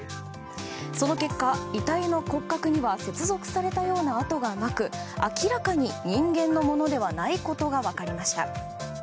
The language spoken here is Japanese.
その結果、遺体の骨格には接続されたような跡がなく明らかに人間のものではないことが分かりました。